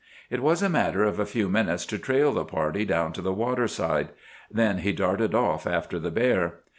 It was a matter of a few minutes to trail the party down to the waterside. Then he darted off after the bear.